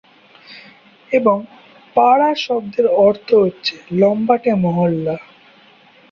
এবং ‘পাড়া’ শব্দের অর্থ হচ্ছে লম্বাটে মহল্লা।